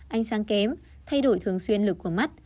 ánh sáng kém thay đổi thường xuyên lực của mắt